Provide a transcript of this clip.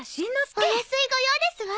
お安いご用ですわ。